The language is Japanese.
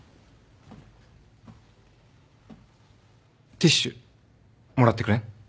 ティッシュもらってくれん？